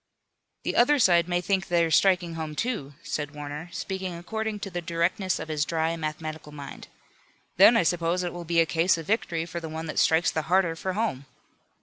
"The other side may think they're striking home; too," said Warner, speaking according to the directness of his dry mathematical mind. "Then I suppose it will be a case of victory for the one that strikes the harder for home."